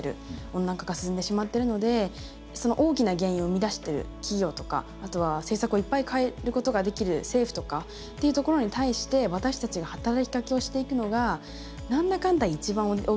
温暖化が進んでしまってるのでその大きな原因を生み出してる企業とかあとは政策をいっぱい変えることができる政府とかっていうところに対して私たちが働きかけをしていくのが何だかんだ一番大きいんだっていうふうには思いますね。